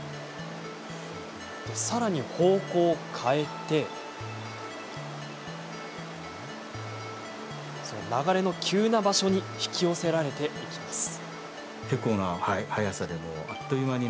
さらに、方向を変え流れの急な場所に引き寄せられていきます。